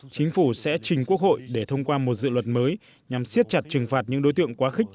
chính phủ sẽ trình quốc hội để thông qua một dự luật mới nhằm siết chặt trừng phạt những đối tượng quá khích